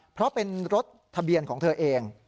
เพราะเป็นรถทะเบียนของเธอเอง